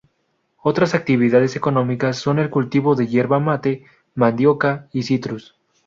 Otras actividades económicas son el cultivo de yerba mate, mandioca y citrus.